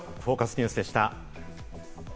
ニュースでした。